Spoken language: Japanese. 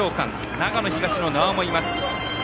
長野東の名和もいます。